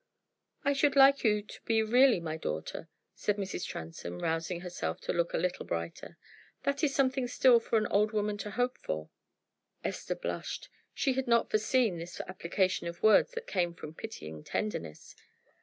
"I should like you to be really my daughter," said Mrs. Transome, rousing herself to look a little brighter. "That is something still for an old woman to hope for." Esther blushed: she had not foreseen this application of words that came from pitying tenderness.